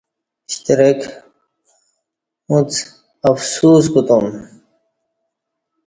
.شترک اُڅ افسوس کوتوم